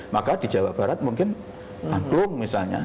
maka di jawa barat mungkin angklung misalnya